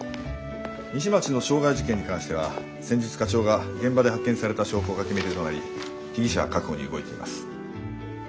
西町の傷害事件に関しては先日課長が現場で発見された証拠が決め手となり被疑者確保に動いています。